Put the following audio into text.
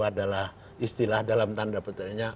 adalah istilah dalam tanda petiknya